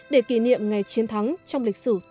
để kỷ niệm ngày chiến thắng trong lịch sử thủ đô nước pháp